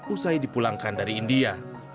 usai dipulangkan dari india